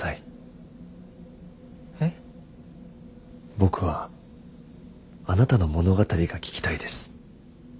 僕はあなたの物語が聞きたいです。